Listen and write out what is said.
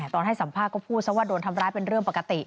ตอนให้สัมภาษณ์ก็พูดซะว่าโดนทำร้ายเป็นเรื่องปกติ